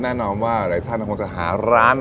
แน่นอนว่าหลายท่านคงจะหาร้าน